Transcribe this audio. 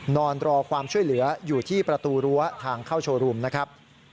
นอนรอความช่วยเหลืออยู่ที่ประตูรั้วทางเข้าโชว์รูมนะครับ